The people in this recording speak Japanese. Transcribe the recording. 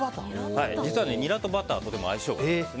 実は、ニラとバターは相性がとてもいいんです。